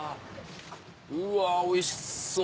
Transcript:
うわおいしそう！